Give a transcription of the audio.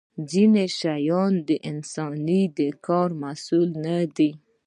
ځینې شیان د انسان د کار محصول نه دي.